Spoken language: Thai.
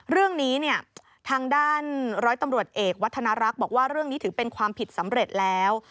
เรื่องนี้เนี่ยทางด้านร้อยตำรวจเอกวัฒนารักษ์บอกว่าเรื่องนี้ถือเป็นความผิดสำเร็จแล้ว